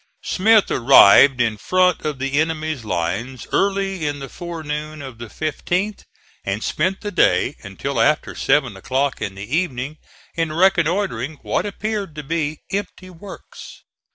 Smith arrived in front of the enemy's lines early in the forenoon of the 15th, and spent the day until after seven o'clock in the evening in reconnoitering what appeared to be empty works.